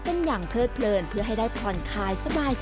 เป็นอย่างเพลิดเพื่อให้ได้ปล่อนคลายสบาย